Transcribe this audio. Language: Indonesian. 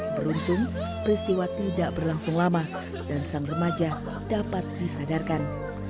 beruntung peristiwa tidak berlangsung lama dan sang remaja dapat disadarkan